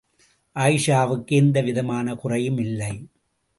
ஆயீஷாவுக்கு எந்த விதமான குறையும் இல்லை.